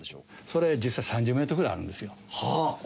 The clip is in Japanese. それ実際３０メートルぐらいあるんですよ。